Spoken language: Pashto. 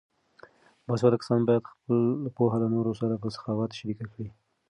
باسواده کسان باید خپله پوهه له نورو سره په سخاوت شریکه کړي.